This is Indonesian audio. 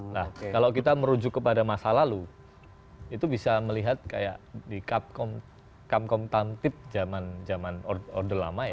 nah kalau kita merujuk kepada masa lalu itu bisa melihat kayak di kamkom tamtip zaman zaman order lama ya